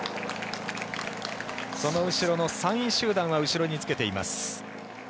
その後ろの３位集団は後ろにつけています。